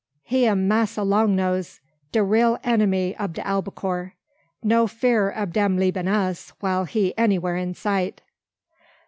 He am massa long nose, de real enemy ob de albacore. No fear ob dem leabin' us, while he anywhar in sight."